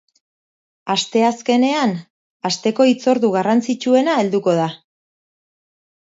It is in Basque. Asteazkenean, asteko hitzordu garrantzitsuena helduko da.